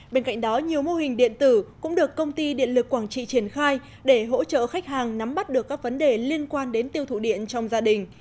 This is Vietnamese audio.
bên cạnh đó nhiều mô hình điện tử cũng được công ty điện lực quảng trị triển khai để hỗ trợ khách hàng nắm bắt được các vấn đề liên quan đến tiêu thụ điện trong gia đình